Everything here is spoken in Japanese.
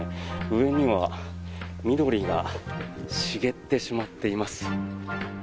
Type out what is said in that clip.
上には緑が茂ってしまっています。